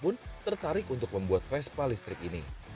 pun tertarik untuk membuat vespa listrik ini